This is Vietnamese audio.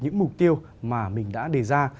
những mục tiêu mà mình đã đề ra